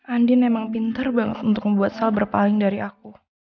andi memang pinter banget untuk membuat sal berpaling dari aku